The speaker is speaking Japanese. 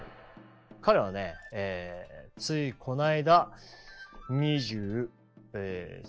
彼はねついこの間２３歳。